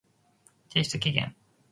提出期限